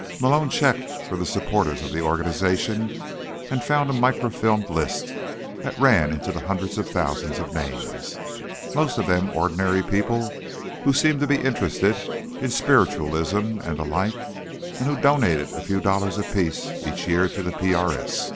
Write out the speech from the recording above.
Malone checked for the supporters of the organization and found a microfilmed list that ran into the hundreds of thousands of names, most of them ordinary people who seemed to be interested in spiritualism and the like, and who donated a few dollars apiece each year to the PRS.